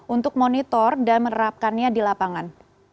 untuk monitor dan menerapkannya di lapangan